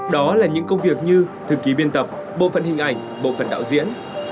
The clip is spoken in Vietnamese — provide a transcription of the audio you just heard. đó là những công việc như thư ký biên tập bộ phận hình ảnh bộ phận đạo diễn